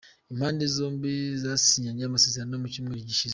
Impande zombi zasinyanye amasezerano mu cyumweru gishize.